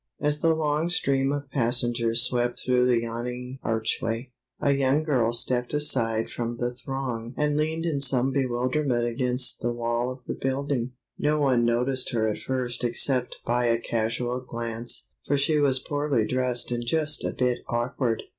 As the long stream of passengers swept through the yawning archway, a young girl stepped aside from the throng and leaned in some bewilderment against the wall of the building. No one noticed her at first except by a casual glance, for she was poorly dressed and just a bit awkward.